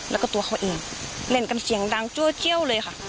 แล้วก็ตัวเขาเองเล่นกันเสียงดังจัวเจี้ยวเลยค่ะ